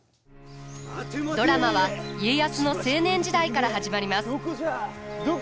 ドラマは家康の青年時代から始まります。